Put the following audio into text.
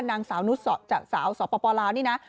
นางสาวนุษย์สาวสปปลาวนี่นะ